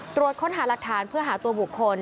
ตรวจค้นหาหลักฐานเพื่อหาตัวบุคคล